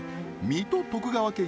水戸徳川家